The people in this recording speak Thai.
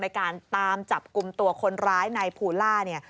ในการตามจับกลุ่มตัวคนร้ายในภูล่า